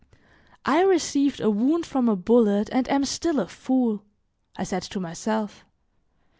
"I received a wound from a bullet and am still a fool," I said to myself.